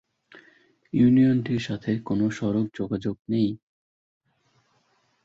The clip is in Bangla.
ইউনিয়নটির সাথে কোন সড়ক যোগাযোগ নেই।